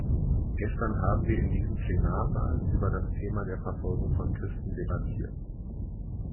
Gestern haben wir in diesem Plenarsaal über das Thema der Verfolgung von Christen debattiert.